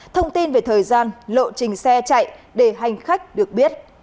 thông tin về thời gian lộ trình xe chạy để hành khách được biết